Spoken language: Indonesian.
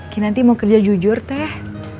kinanti mau kerja jujur teh